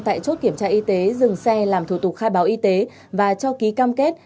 tại chốt kiểm tra y tế dừng xe làm thủ tục khai báo y tế và cho ký cam kết